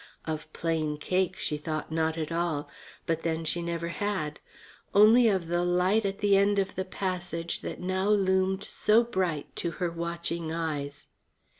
Of Plain Cake she thought not at all. But then, she never had. Only of the light at the end of the passage that now loomed so bright to her watching eyes.